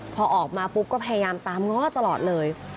พอออกมาปุ๊บก็พยายามตามง้อตลอดเลย